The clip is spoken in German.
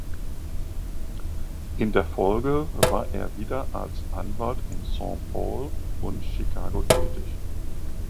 In der Folge war er wieder als Anwalt in Saint Paul und Chicago tätig.